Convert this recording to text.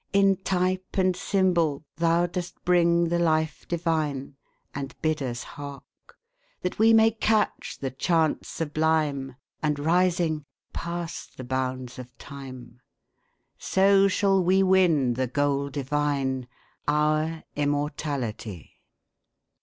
In type and symbol thou dost bring The Life Divine, and bid us hark, That we may catch the chant sublime, And, rising, pass the bounds of time; So shall we win the goal divine, Our immortality.